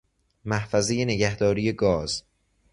محفظه نگهداری گاز